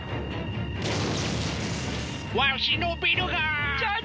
わしのビルが！社長！